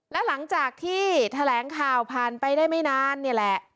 แล้วหลังจากที่แถลงข่าวผ่านไปได้ไม่นานนี่แหละ